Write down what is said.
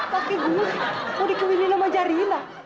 tapi gue mau dikawinin sama zarina